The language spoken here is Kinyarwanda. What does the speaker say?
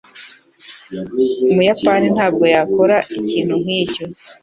Umuyapani ntabwo yakora ikintu nkicyo.